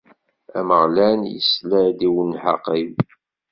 Ameɣlal isla-d i unhaq-iw.